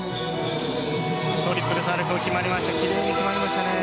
トリプルサルコウ決まりました。